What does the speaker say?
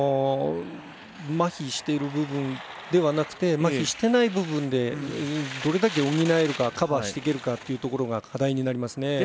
まひしている部分ではなくてまひしていない部分でどれだけ補えるかカバーしていけるかというところが課題になりますね。